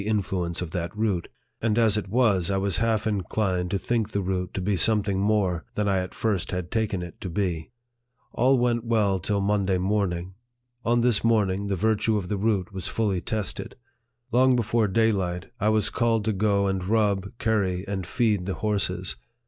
71 influence of that root ; and as it was, I was half in clined to think the root to be something more than 1 at first had taken it to be. All went well till Mon day morning. On this morning, the virtue of the root was fully tested. Long before daylight, I was called to go and rub, curry, and feed, the horses.